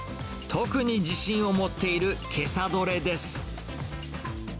特に自信を持っているけさ取れです。